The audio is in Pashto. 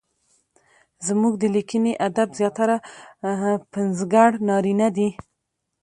زموږ د ليکني ادب زياتره پنځګر نارينه دي؛